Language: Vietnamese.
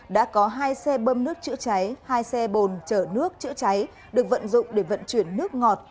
đã có hai xe bơm nước chữa cháy hai xe bồn chở nước chữa cháy được vận dụng để vận chuyển nước ngọt